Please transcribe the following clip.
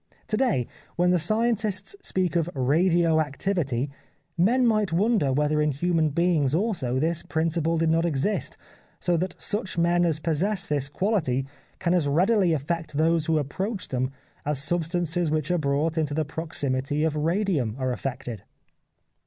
To day, when the scientists speak of radio activity, men might wonder whether in human beings also this principle did not exist so that such men as possess this quality can as readily affect those who approach them as substances which are brought into the proximity of radium are affected.